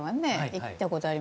行ったことあります。